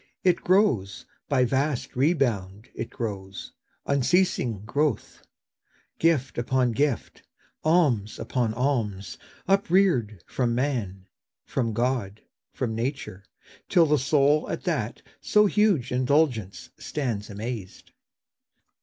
It grows— By vast rebound it grows, unceasing growth; Gift upon gift, alms upon alms, upreared, From man, from God, from nature, till the soul At that so huge indulgence stands amazed.